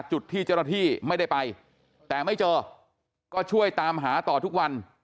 จุดที่เจ้าหน้าที่ไม่ได้ไปแต่ไม่เจอก็ช่วยตามหาต่อทุกวัน